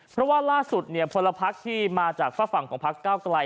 เพราะว่าล่าสุดเนี่ยพลภักดิ์ที่มาจากฝั่งของพลักษณ์เก้าไกร